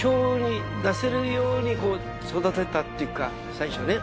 最初ね。